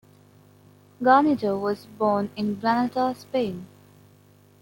Guarnido was born in Granada, Spain.